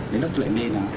đến lúc tôi lại mê nè